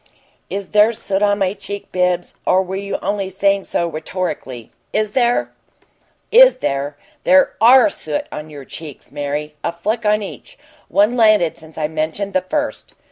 "IS there soot on my cheek, Bibbs, or were you only saying so rhetorically? IS there?" "Is there? There ARE soot on your cheeks, Mary a fleck on each. One landed since I mentioned the first."